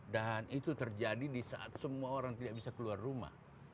dan itu terjadi di saat semua orang tidak bisa keluar rumah